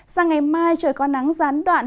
sáng ngày mai trời có nắng gián đoạn